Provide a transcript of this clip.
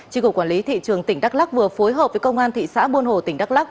tri cục quản lý thị trường tỉnh đắk lắc vừa phối hợp với công an thị xã buôn hồ tỉnh đắk lắc